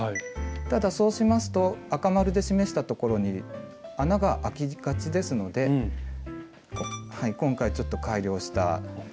ただそうしますと赤丸で示したところに穴があきがちですので今回ちょっと改良した。